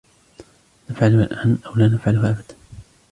نفعلها الآن أو لا نفعلها أبدا.